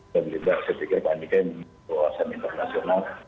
dan juga setiap anggaran di kawasan internasional